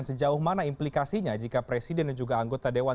dan sejauh mana implikasinya jika presiden dan juga anggota dewan